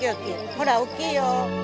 ほら大きいよ。